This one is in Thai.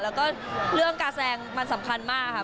แล้วก็เรื่องการแซงมันสำคัญมากค่ะ